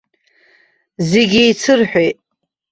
Зегь еицырҳәеит.